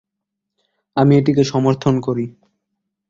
আমি এটিকে সমর্থন করি।